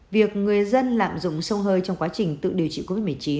việc người dân lạm dụng sông hơi trong quá trình tự điều trị covid một mươi chín